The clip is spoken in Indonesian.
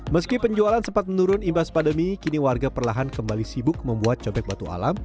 meski penjualan sempat menurun imbas pandemi kini warga perlahan kembali sibuk membuat cobek batu alam